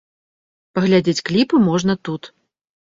Паглядзець кліпы можна тут.